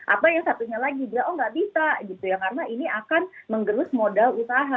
apa yang satunya lagi oh tidak bisa karena ini akan menggelus modal usaha